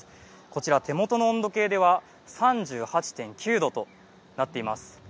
こちら、手元の温度計では３８．９度となっています。